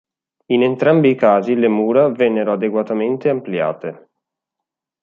In entrambi i casi le mura vennero adeguatamente ampliate.